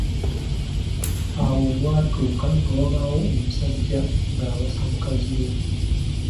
Awo lwatuuka nga wabaawo omusajja ng’awasa mukazi we